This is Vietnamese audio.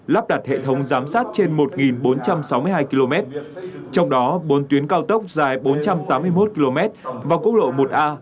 lắp đặt hệ thống giám sát trên một bốn trăm sáu mươi hai km trong đó bốn tuyến cao tốc dài bốn trăm tám mươi một km và quốc lộ một a